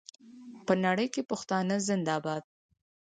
په نړۍ کې پښتانه زنده باد.